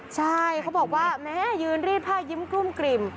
ใช่เขาบอกว่าแม่ยืนรีดผ้ายิ้มกลุ้มกลิ่ม